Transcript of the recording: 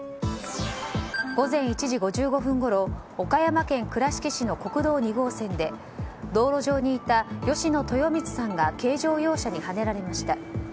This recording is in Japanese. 午前１時５５分ごろ岡山県倉敷市の国道２号線で道路上にいた吉野豊光さんが軽乗用車にはねられました。